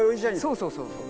そうそうそうそう。